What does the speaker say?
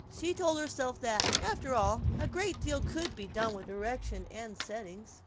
She told herself that, after all, a great deal could be done with direction and settings.